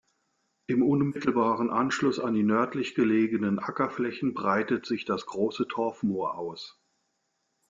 Im unmittelbaren Anschluss an die nördlich gelegenen Ackerflächen breitet sich das Große Torfmoor aus.